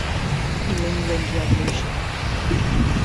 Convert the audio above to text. New England Revolution